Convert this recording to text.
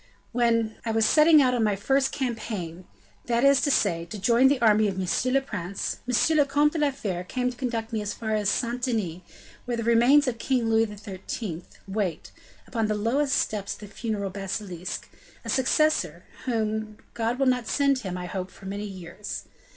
When I was setting out on my first campaign, that is to say, to join the army of monsieur le prince, M. le Comte de la Fere came to conduct me as far as Saint Denis, where the remains of King Louis XIII. wait, upon the lowest steps of the funeral basilique, a successor, whom God will not send him, I hope, for many years.